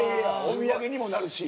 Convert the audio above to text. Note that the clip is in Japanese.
お土産にもなるし。